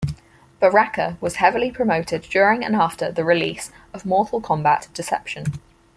Baraka was heavily promoted during and after the release of Mortal Kombat: Deception.